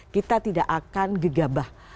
kita tidak akan gegabah